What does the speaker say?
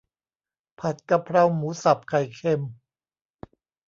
ผัดกะเพราหมูสับไข่เค็ม